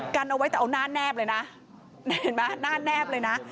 กันเอาไว้แต่เอาหน้าแนบเลยนะ